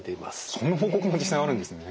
そんな報告も実際あるんですね。